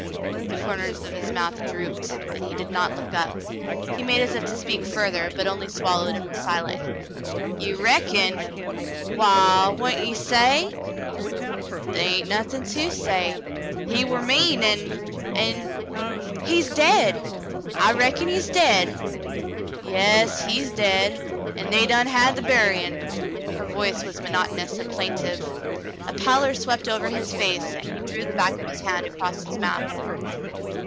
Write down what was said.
The corners of his mouth drooped, and he did not look up. He made as if to speak further, but only swallowed and was silent. *'Ye reckon.'' Waal, why 'n't ye say .^^" They hain't nothin' to say. He war mean an' — an' — he's dade. I reckon he's dade." "Yas, he's dade — an' they done had the buryin'." Her voice was monotonous and plaintive. A pallor swept over his face, and he drew the back of his hand across his mouth.